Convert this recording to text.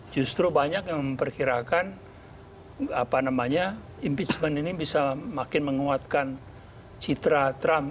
justru banyak yang memperkirakan impeachment ini bisa makin menguatkan citra trump